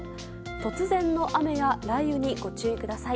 突然の雨や雷雨にご注意ください。